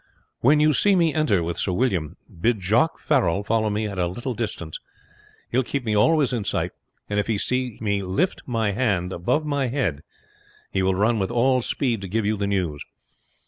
When you see me enter with Sir William, bid Jock Farrell follow me at a little distance; he will keep me always in sight, and if he see me lift my hand above my head he will run with all speed to give you the news.